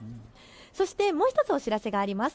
そしてもう１つお知らせがあります。